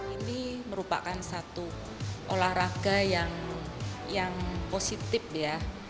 ini merupakan satu olahraga yang positif ya